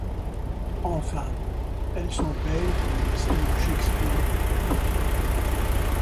Enfin, elles sont belles comme une scène de Shakespeare.